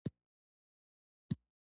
د احمد غاښونه سخت وبرېښېدل.